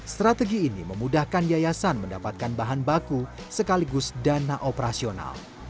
strategi ini memudahkan yayasan mendapatkan bahan baku sekaligus dana operasional